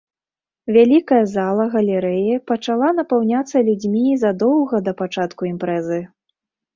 Вялікая зала галерэі пачала напаўняцца людзьмі задоўга да пачатку імпрэзы.